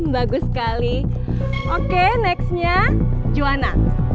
bagus sekali oke selanjutnya joanna